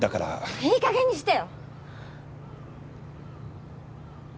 いいかげんにしてよ！